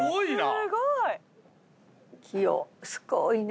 すごいね。